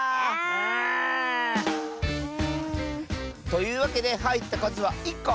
というわけではいったかずは１こ。